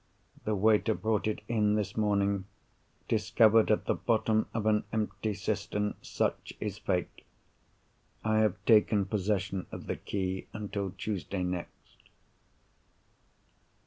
The waiter brought it in this morning, discovered at the bottom of an empty cistern—such is Fate! I have taken possession of the key until Tuesday next.